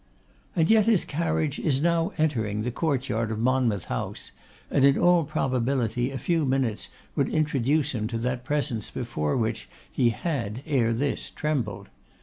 And yet his carriage is now entering the courtyard of Monmouth House, and, in all probability, a few minutes would introduce him to that presence before which he had, ere this, trembled.